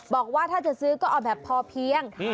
บอกว่าถ้าจะซื้อก็เอาแบบพอเพียง